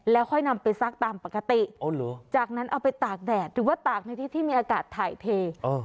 แล้วค่อยนำไปซักตามปกติจากนั้นเอาไปตากแดดหรือว่าตากในที่ที่มีอากาศถ่ายเท